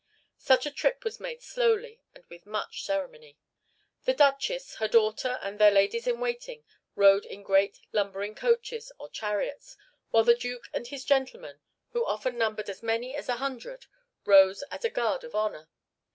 Such a trip was made slowly and with much ceremony. The Duchess, her daughter, and their ladies in waiting rode in great lumbering coaches, or chariots, while the Duke and his gentlemen, who often numbered as many as a hundred, rode as a guard of honor.